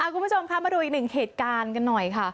คุณผู้ชมคะมาดูอีกหนึ่งเหตุการณ์กันหน่อยค่ะ